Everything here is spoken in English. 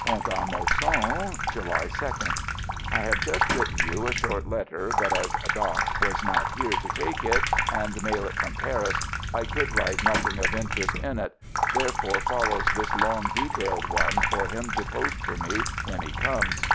Pont a Mousson, July 2d. I have just written you a short letter, but as "Doc" was not here to take it and mail it from Paris, I could write nothing of interest in it, therefore follows this long detailed one for him to post for me when he comes.